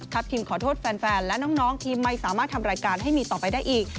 คิมขอโทษแฟนและน้องที่ไม่สามารถทำรายการให้มีต่อไปได้อีก